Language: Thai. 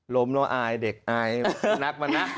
ล้มแล้วอายเด็กอายสุนัขมันนะ